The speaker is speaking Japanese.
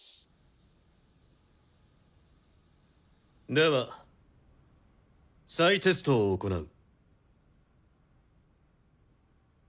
では再テストを行う。